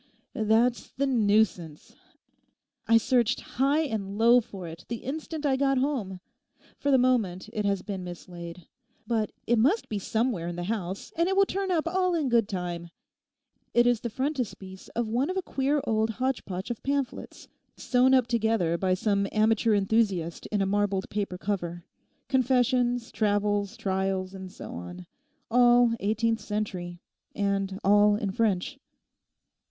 'That's the nuisance. I searched high and low for it the instant I got home. For the moment it has been mislaid; but it must be somewhere in the house and it will turn up all in good time. It's the frontispiece of one of a queer old hotchpotch of pamphlets, sewn up together by some amateur enthusiast in a marbled paper cover—confessions, travels, trials and so on. All eighteenth century, and all in French.